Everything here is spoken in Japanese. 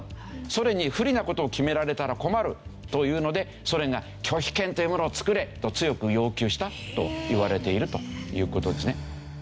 ソ連に不利な事を決められたら困るというのでソ連が拒否権というものを作れと強く要求したといわれているという事ですね。